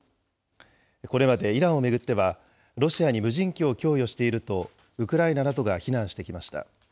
これまでイランを巡っては、ロシアに無人機を供与しているとウクライナなどが非難してきました。